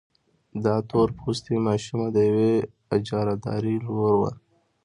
دا تور پوستې ماشومه د يوې اجارهدارې لور وه.